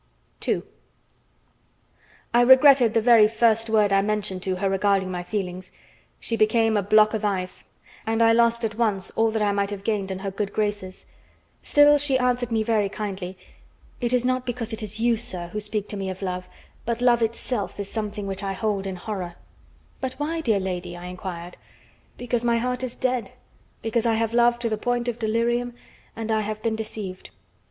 II I regretted the very first word I mentioned to her regarding my feelings. She became a block of ice, and I lost at once all that I might have gained in her good graces. Still she answered me very kindly: "It is not because it is you, sir, who speak to me of love, but love itself is something which I hold in horror." "But why, dear lady?" I inquired. "Because my heart is dead. Because I have loved to the point of delirium, and I have been deceived."